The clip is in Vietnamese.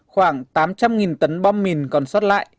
khoảng tám trăm linh tấn bom mìn còn sót lại